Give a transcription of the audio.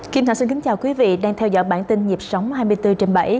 kim thảo xin kính chào quý vị đang theo dõi bản tin nhịp sóng hai mươi bốn trên bảy